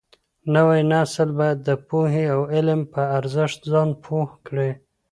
نوی نسل بايد د پوهي او علم په ارزښت ځان پوه کړي.